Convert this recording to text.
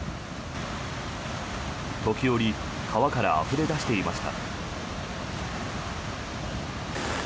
時折川からあふれ出していました。